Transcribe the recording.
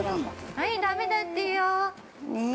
◆はい、ダメだってよー。